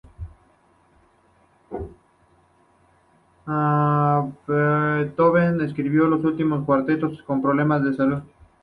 Beethoven escribió los últimos cuartetos con problemas de salud.